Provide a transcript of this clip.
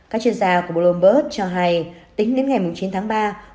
các chuyên gia của bloomberg cho hay tính đến ngày chín tháng ba